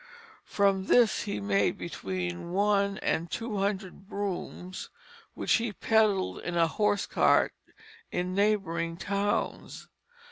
From this he made between one and two hundred brooms which he peddled in a horse cart in neighboring towns.